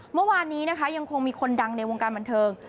เมื่อวานนี้นะคะยังคงมีคนดังในวงการบันเทิง